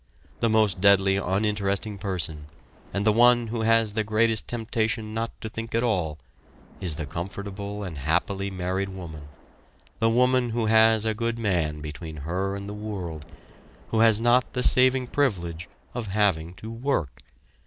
The most deadly uninteresting person, and the one who has the greatest temptation not to think at all, is the comfortable and happily married woman the woman who has a good man between her and the world, who has not the saving privilege of having to work.